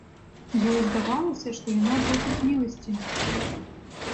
Ёй здавалася, што яна просіць міласціны.